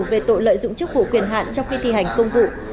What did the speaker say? về tội lợi dụng chức vụ quyền hạn trong khi thi hành công vụ